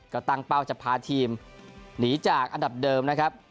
ก็ตั้งเป้าจะพาทีมหนีจากอันดับเดิมนะครับ